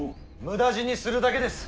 無駄死にするだけです。